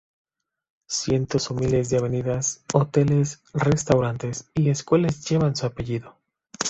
Cientos o miles de avenidas, hoteles, restaurantes y escuelas llevan su apellido.